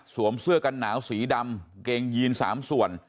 เสื้อกันหนาวสีดำเกงยีน๓ส่วน